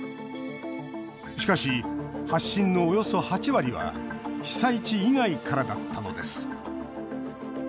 しかし、発信のおよそ８割は被災地以外からだったのです。